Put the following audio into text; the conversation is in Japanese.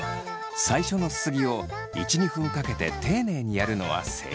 最初のすすぎを１２分かけて丁寧にやるのは正解。